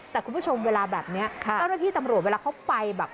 แต่คุณผู้ชมเวลาแบบนี้เจ้าหน้าที่ตำรวจเวลาเขาไปแบบ